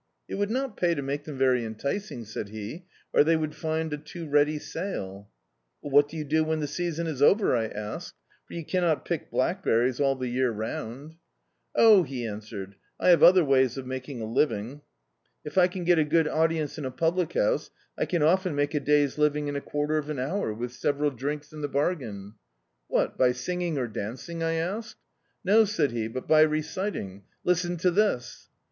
"It would not pay to make them very enticing," said he, "or they would find a too ready sale." "But what do you do when the season is over?" I asked, "for you cannot pick blackberries all the year Dictzed by Google The Autobiography of a Super Tramp round." "Oh," he answered, "I have o±er ways of making a living. If I can get a good audience in a public house, I can often make a day's living in a quarter of an hour, with several drinks in the bargain." "What, by singing or dancing?" I asked. "No," said he, "but by reciting. Listen to this."